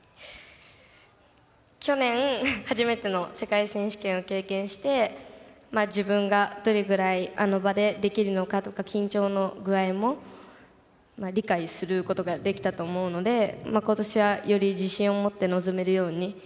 去年初めての世界選手権を経験して自分が、どれぐらいあの場でできるのかとか緊張の具合も理解することができたと思うので今年は、より自信を持って臨めるように。